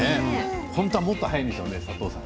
本当はもっと早いんでしょうね佐藤さん。